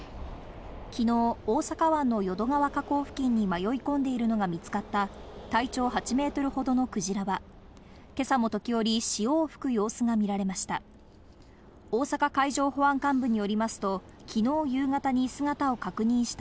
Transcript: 昨日、大阪湾の淀川河口付近に迷い込んでいるのが見つかった体長８メートルほどのクジラは今朝も時折、潮を吹く様子が見られました。